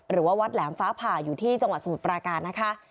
หรือว่าวัดแหลมฟ้าผ่าอยู่ที่จังหวัดสมุทรปราการนะคะ